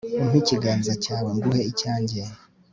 umpe ikiganza cyawe nguhe icyanjye